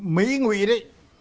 mỹ ngụy đấy